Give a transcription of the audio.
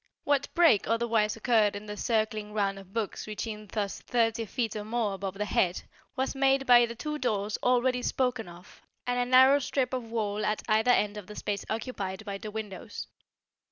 What break otherwise occurred in the circling round of books reaching thus thirty feet or more above the head was made by the two doors already spoken of and a narrow strip of wall at either end of the space occupied by the windows.